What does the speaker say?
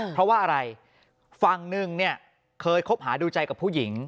เพราะว่าอะไรฝั่งหนึ่งเนี่ยเคยคบหาดูใจกับผู้หญิง